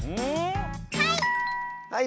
はい！